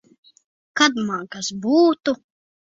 Kad man kas būtu.